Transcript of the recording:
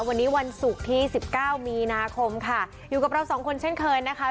วันนี้วันศุกร์ที่สิบเก้ามีนาคมค่ะอยู่กับเราสองคนเช่นเคยนะคะ